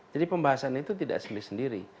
jadi pembahasan itu tidak sendiri sendiri